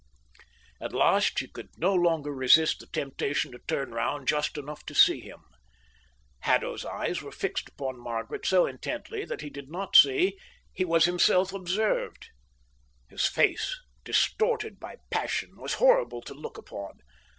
At last she could no longer resist the temptation to turn round just enough to see him. Haddo's eyes were fixed upon Margaret so intently that he did not see he was himself observed. His face, distorted by passion, was horrible to look upon.